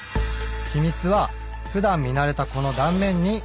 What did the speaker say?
秘密はふだん見慣れたこの断面に隠されています。